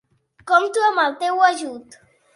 Compto amb el teu ajut.